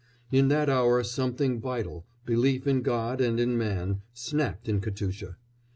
In that hour something vital belief in God and in man snapped in Katusha.